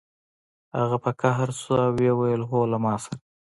هغه په قهر شو او ویې ویل هو له ما سره